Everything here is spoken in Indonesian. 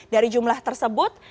dari jumlah tersebut